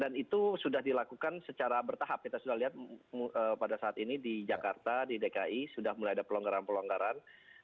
dan itu sudah dilakukan secara bertahap kita sudah lihat pada saat ini di jakarta di dki sudah mulai ada pelonggaran pelonggaran